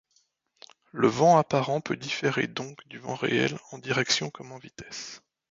Le vent apparent peut différer donc du vent réel en direction comme en vitesse.